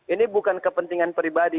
ini bukan kepentingan pribadi